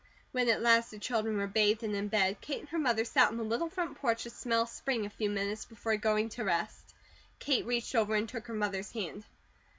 When at last the children were bathed and in bed, Kate and her mother sat on the little front porch to smell spring a few minutes before going to rest. Kate reached over and took her mother's hand.